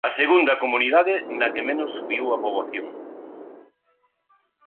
A segunda comunidade na que menos subiu a poboación